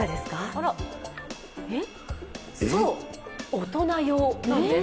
大人用なんです。